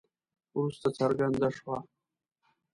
وروسته څرګنده شوه.